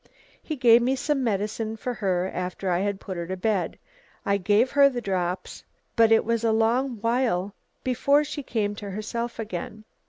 He gave me some medicine for her after I had put her to bed. I gave her the drops, but it was a long while before she came to herself again.